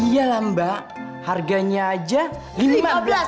iya lah mbak harganya aja lima belas juta